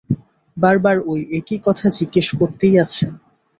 বার বার ঐ একই কথা জিজ্ঞেস করতেই আছে!